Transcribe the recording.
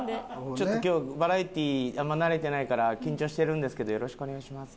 「ちょっと今日バラエティーあんまり慣れてないから緊張してるんですけどよろしくお願いします」。